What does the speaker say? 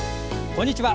こんにちは。